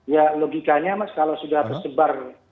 ya logikanya mas kalau sudah tersebar